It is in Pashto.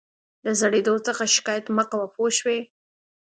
د زړېدو څخه شکایت مه کوه پوه شوې!.